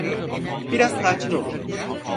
Biraz sakin olun.